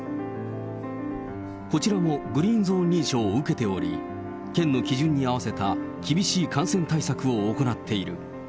こちらもグリーン・ゾーン認証を受けており、県の基準に合わせた厳しい感染対策を行っている。